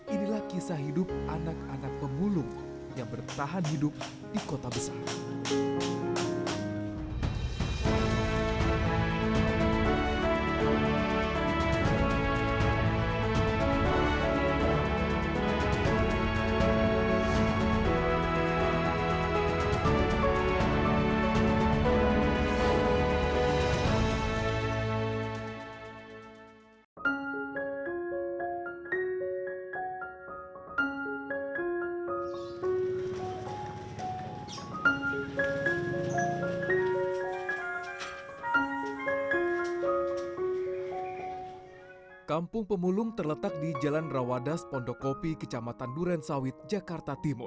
inilah kisah hidup anak anak pemuluh yang bertahan hidup di kota besar